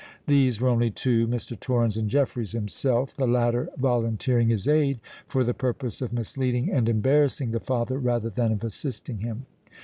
These were only two—Mr. Torrens and Jeffreys himself: the latter volunteering his aid for the purpose of misleading and embarrassing the father, rather than of assisting him.